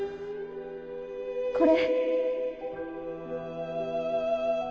これ。